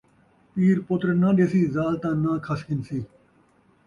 پیر پتر نہ ݙیسی، ذال تاں ناں کھس گھنسی